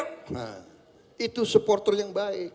nah itu supporter yang baik